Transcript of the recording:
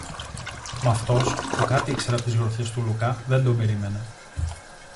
Μ' αυτός, που κάτι ήξερε από τις γροθιές του Λουκά, δεν τον περίμενε